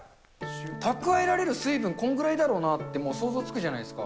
蓄えられる水分、こんくらいだろうなってもう想像つくじゃないですか。